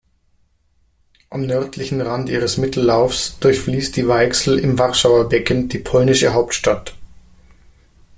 Am nördlichen Rand ihres Mittellaufs durchfließt die Weichsel im Warschauer Becken die polnische Hauptstadt.